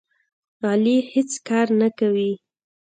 علي هېڅ کار نه کوي.